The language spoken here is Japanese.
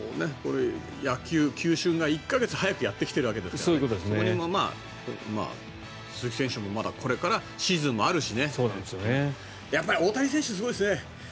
野球、球春が１か月早くやってきてるわけですからそこに鈴木選手もまだこれからシーズンもあるしね大谷選手すごいですね。